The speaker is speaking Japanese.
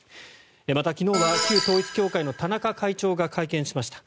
また、昨日は旧統一教会の田中会長が会見しました。